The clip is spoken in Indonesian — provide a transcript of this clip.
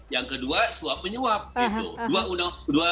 yang kedua suap penyuap gitu